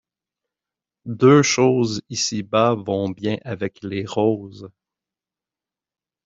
Deux choses ici-bas vont bien avec les roses